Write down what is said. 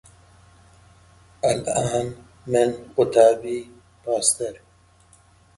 Others, including many of the officers, came from the Lowlands.